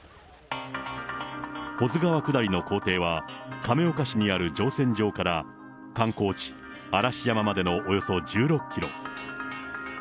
保津川下りの工程は、亀岡市にある乗船場から観光地、嵐山までのおよそ１６キロ。